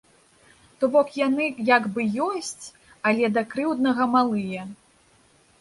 То бок яны як бы ёсць, але да крыўднага малыя.